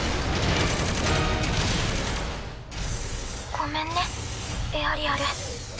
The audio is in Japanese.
ごめんねエアリアル。